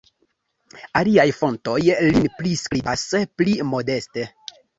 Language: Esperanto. Aliaj fontoj lin priskribas pli modeste.